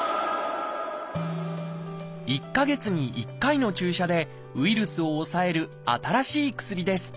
１か月に１回の注射でウイルスを抑える新しい薬です。